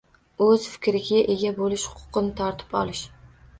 O‘z fikriga ega bo‘lish huquqini tortib olish